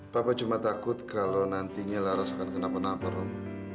papa cuma takut kalau nantinya laras akan kenapa napa rom